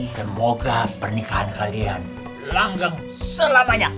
semoga pernikahan kalian langgang selamanya